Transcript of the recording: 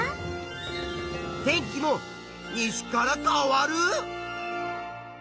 天気も西から変わる！？